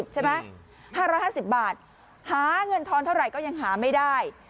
ใช่ไหม๕๕๐บาทหาเงินทอนเท่าไหร่ก็ยังหาไม่ได้